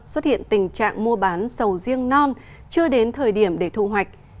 xuất hiện tình trạng mua bán sầu riêng non chưa đến thời điểm để thu hoạch